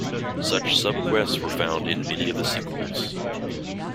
Such subquests were found in many of the sequels.